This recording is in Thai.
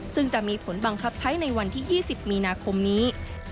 ซึ่งจะมีผลบังคับใช้ในวันที่๒๐มีนาคมนี้